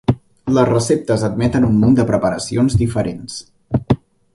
Les receptes admeten un munt de preparacions diferents.